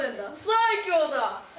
最強だ。